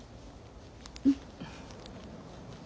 うん。